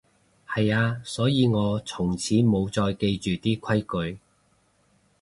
係啊，所以我從此無再記住啲規矩